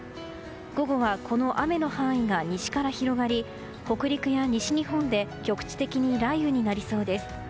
午後はこの雨の範囲が西から広がり北陸や西日本で局地的に雷雨になりそうです。